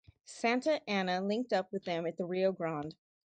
Santa Anna linked up with them at the Rio Grande.